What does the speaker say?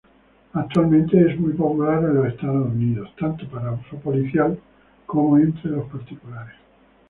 Actualmente muy popular en Estados Unidos, tanto para uso policial como entre particulares.